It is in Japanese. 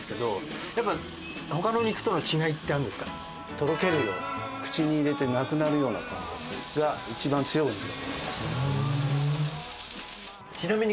とろけるような口に入れてなくなるような感覚が一番強いお肉になります。